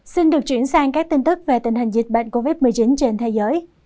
xin được chuyển sang các tin tức về tình hình dịch bệnh covid một mươi chín trên thế giới